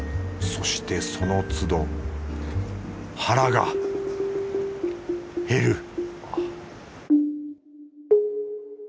そしてそのつど腹が減る